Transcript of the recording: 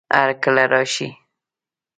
هر کله راشئ